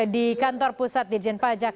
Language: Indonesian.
di kantor pusat dijen pajak